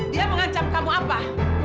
dia mengancam kamu apa